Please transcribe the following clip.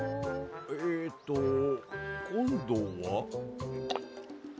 えっとこんどは？